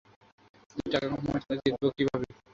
যদি টাকা কম হয় তাহলে জিতবো কিভাবে?